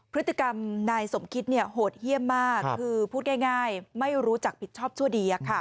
พฤติกรรมนายสมคิดโหดเยี่ยมมากคือพูดง่ายไม่รู้จักผิดชอบชั่วดี